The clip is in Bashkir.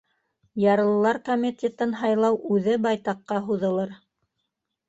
Ярлылар комитетын һайлау үҙе байтаҡҡа һуҙылыр.